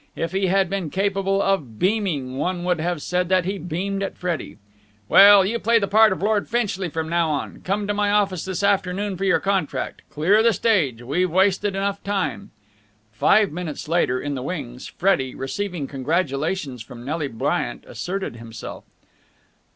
If he had been capable of beaming, one would have said that he beamed at Freddie. "Well, you play the part of Lord Finchley from now on. Come to my office this afternoon for your contract. Clear the stage. We've wasted enough time." Five minutes later, in the wings, Freddie, receiving congratulations from Nelly Bryant, asserted himself.